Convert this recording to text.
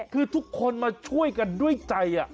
คือทุกคนมาช่วยกันด้วยใจ